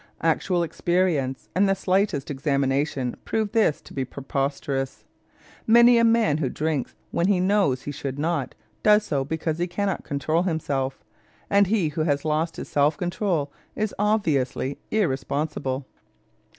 Actual experience and the slightest examination prove this to be preposterous. Many a man who drinks when he knows he should not, does so because he cannot control himself, and he who has lost his self control is obviously irresponsible.